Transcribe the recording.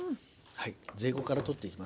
はい。